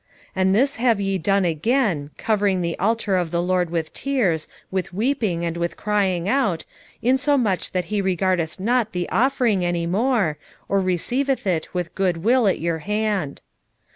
2:13 And this have ye done again, covering the altar of the LORD with tears, with weeping, and with crying out, insomuch that he regardeth not the offering any more, or receiveth it with good will at your hand.